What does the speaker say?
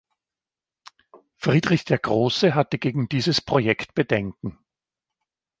Friedrich der Große hatte gegen dieses Projekt Bedenken.